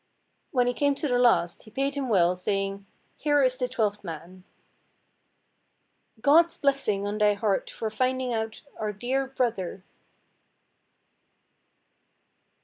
When he came to the last, he paid him well, saying— "Here is the twelfth man." "God's blessing on thy heart for finding out our dear brother."